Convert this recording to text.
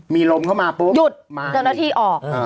มีลมเข้ามาปุ๊บหยุดเดือนนาทีออก